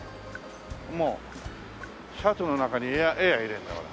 もうシャツの中にエアー入れるんだよほら。